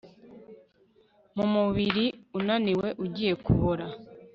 Mu mubiri unaniwe ugiye kubora